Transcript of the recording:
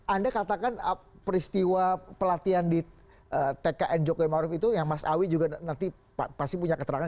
anda katakan peristiwa pelatihan di tkn jokowi maruf itu yang mas awi juga nanti pasti punya keterangan